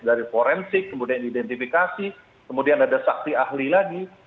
dari forensik kemudian identifikasi kemudian ada saksi ahli lagi